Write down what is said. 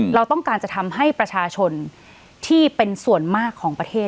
เราต้องการจะทำให้ประชาชนที่เป็นส่วนมากของประเทศ